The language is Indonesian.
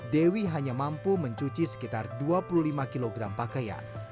dewi hanya mampu mencuci sekitar dua puluh lima kg pakaian